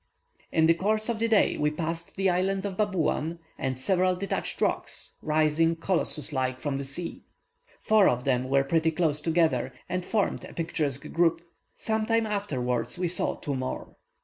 In the course of the day we passed the island of Babuan, and several detached rocks, rising, colossus like, from the sea. Four of them were pretty close together, and formed a picturesque group. Some time afterwards we saw two more.